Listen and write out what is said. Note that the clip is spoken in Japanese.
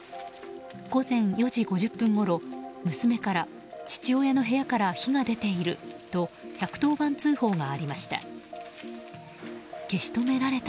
午前４時５０分ごろ、娘から父親の部屋から火が出ていると１１０番通報がありました。